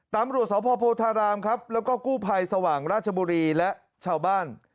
ตำรวจอพทรครับแล้วก็กู้ภัยสว่างรบและชาวบ้าน